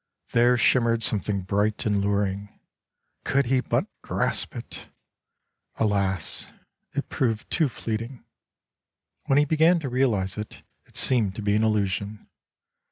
There shim mered something bright and luring. Could he but grasp it!. Alas, it proved too fleeting. When he began to realize it,, it seemed to be an illusion.